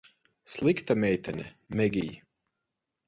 Slikta meitene, Megij.